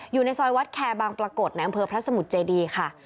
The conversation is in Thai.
อยู่ในซอยวัดแคร์บางปรากฏในอำเภอพระสมุทรเจดีค่ะ